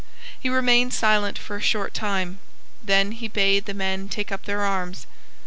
He remained silent for a short time. Then he bade the men take up their arms.